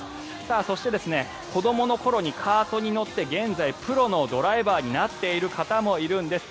そして、子どもの頃にカートに乗って現在、プロのドライバーになっている方もいるんです。